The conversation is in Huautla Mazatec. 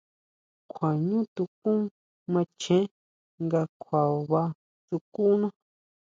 Kjua ʼñú tukún macheé nga kjuaba sukuna.